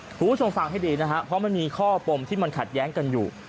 คุณผู้ชมฟังให้ดีนะฮะเพราะมันมีข้อปมที่มันขัดแย้งกันอยู่